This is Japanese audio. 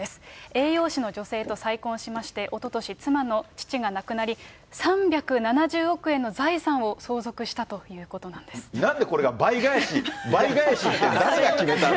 栄養士の女性と再婚しまして、おととし、妻の父が亡くなり、３７０億円の財産を相続したということなんでなんでこれが倍返しに、倍返しって誰が決めたの？